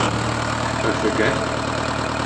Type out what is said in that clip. Өфөгә?